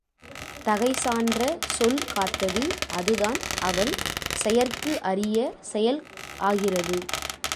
தகைசான்ற சொல் காத்தது அதுதான் அவள் செயற்கு அரிய செயல் ஆகிறது.